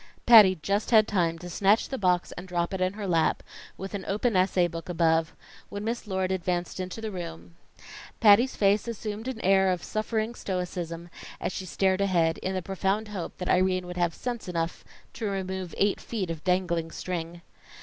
Patty just had time to snatch the box and drop it in her lap, with an open essay book above, when Miss Lord advanced into the room. Patty's face assumed an air of suffering stoicism, as she stared ahead, in the profound hope that Irene would have sense enough to remove eight feet of dangling string.